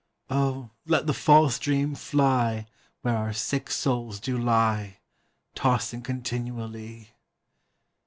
O, let the false dream fly Where our sick souls do lie, Tossing continually.